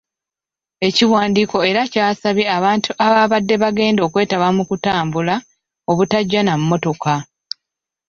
Ekiwandiiko era kyasabye abantu ababadde bagenda okwetaba mu kutambula, obutajja na mmotoka.